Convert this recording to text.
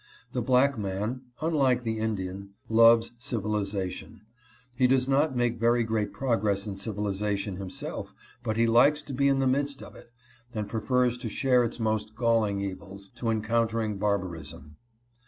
The black man (unlike the Indian) loves civilization. He does not make very great progress in civilization himself , but he likes to be in the midst of it, and prefers to share its most galling evils, to encountering barbarism.